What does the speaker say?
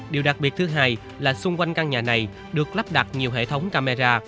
điều đặc biệt thứ hai là xung quanh căn nhà này được lắp đặt nhiều hệ thống camera